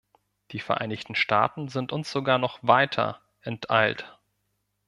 Die Vereinigten Staaten sind uns sogar noch weiter enteilt.